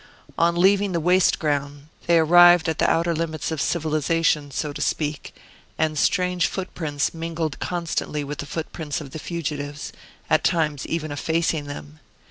On leaving the waste ground they arrived at the outer limits of civilization, so to speak; and strange footprints mingled constantly with the footprints of the fugitives, at times even effacing them.